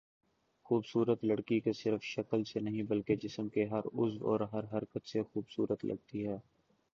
خوبصورت لڑکی صرف شکل سے نہیں بلکہ جسم کے ہر عضو اور ہر حرکت سے خوبصورت لگتی ہے